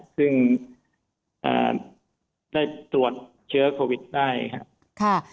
ซึ่งได้ตรวจเชื้อโควิดได้ครับ